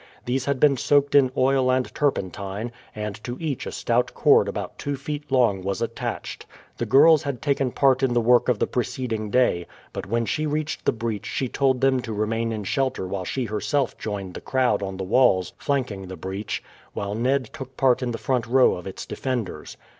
These had been soaked in oil and turpentine, and to each a stout cord about two feet long was attached. The girls had taken part in the work of the preceding day, but when she reached the breach she told them to remain in shelter while she herself joined the crowd on the walls flanking the breach, while Ned took part in the front row of its defenders.